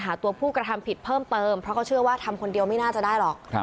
หาตัวผู้กระทำผิดเพิ่มเติมเพราะเขาเชื่อว่าทำคนเดียวไม่น่าจะได้หรอก